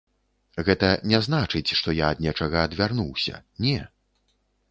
Гэта не значыць, што я ад нечага адвярнуўся, не.